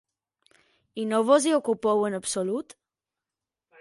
I no vos hi ocupeu en absolut?